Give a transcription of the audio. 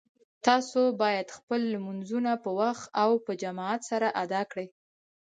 تاسو باید خپل لمونځونه په وخت او په جماعت سره ادا کړئ